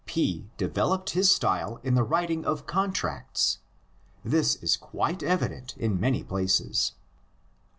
P developed his style in the writing of con tracts — this is quite evident in many places.